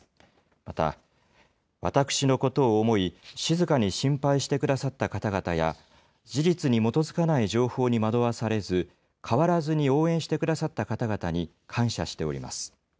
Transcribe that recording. また、私のことを思い、静かに心配してくださった方々や、事実に基づかない情報に惑わされず、変わらずに応援してくださった方々に、感謝しております。